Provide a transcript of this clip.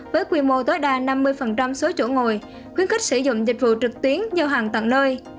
với quy mô tối đa năm mươi số chỗ ngồi khuyến khích sử dụng dịch vụ trực tuyến giao hàng tận nơi